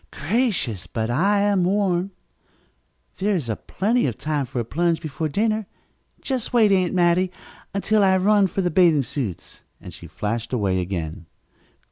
"Gracious, but I am warm! There is plenty of time for a plunge before dinner. Just wait, Aunt Mattie, until I run for the bathing suits," and she flashed away again.